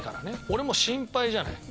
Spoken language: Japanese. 俺も心配じゃない。